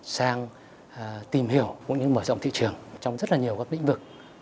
sang tìm hiểu những mở rộng thị trường trong rất nhiều các lĩnh vực